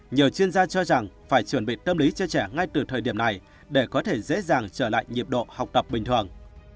nhiều chuyên gia cho rằng phải chuẩn bị tâm lý cho trẻ ngay từ thời điểm này để có thể dễ dàng trở lại nhiệm độ học tập bình thường